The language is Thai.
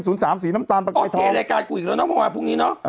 สามสี่น้ำตาลประกายทองโอเครายการกูอีกแล้วน่ะพรุ่งนี้น่ะ